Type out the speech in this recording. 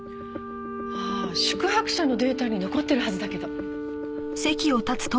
ああ宿泊者のデータに残ってるはずだけど。